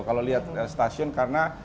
kalau lihat stasiun karena